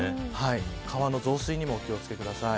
川の増水にもお気を付けください。